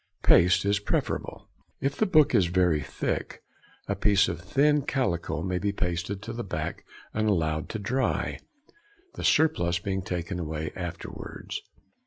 Paste is preferable. If the book is very thick a piece of thin calico may be pasted to the back and allowed to dry, the surplus being taken away afterwards.